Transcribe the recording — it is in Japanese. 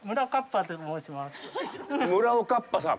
村おかっぱさん？